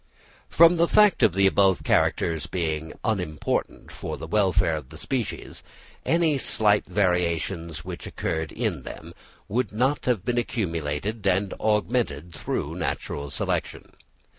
From the fact of the above characters being unimportant for the welfare of the species, any slight variations which occurred in them would not have been accumulated and augmented through natural selection.